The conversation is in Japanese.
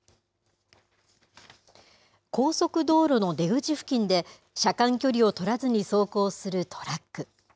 高速道路の出口付近で、車間距離を取らずに走行するトラック。